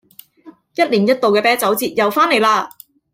一年一度嘅啤酒節又返嚟喇